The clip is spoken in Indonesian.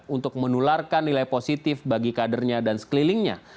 untuk menularkan nilai positif bagi kadernya dan sekelilingnya